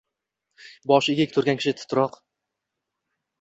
Boshi egik turgan kishi titroq